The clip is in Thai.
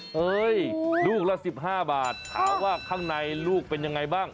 เฮ้ยลูกละ๑๕บาทถามว่าข้างในลูกเป็นยังไงบ้าง